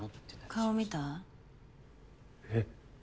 顔見た？えっ？